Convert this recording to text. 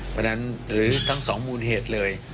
เพราะฉะนั้นหรือทั้งสองมูลเหตุเลย